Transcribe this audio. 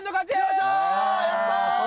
やったー！